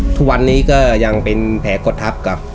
ทุกวันนี้ก็ยังเป็นแผลกดทับกับ